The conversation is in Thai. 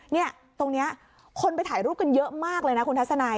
เนี่ยตรงนี้คนไปถ่ายรูปกันเยอะมากเลยนะคุณทัศนัย